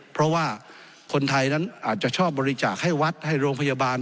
เพราะว่าคนไทยนั้นอาจจะชอบบริจาคให้วัดให้โรงพยาบาล